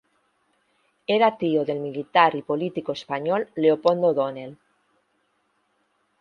Era tío del militar y político español Leopoldo O'Donnell.